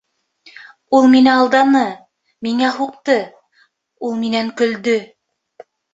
Ул мине алданы, миңә һуҡты, ул минән көлдө.